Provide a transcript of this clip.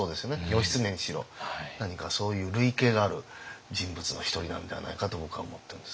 義経にしろ何かそういう類型がある人物の１人なのではないかと僕は思ってるんです。